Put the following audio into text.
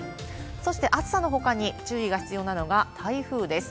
そして、暑さのほかに注意が必要なのが台風です。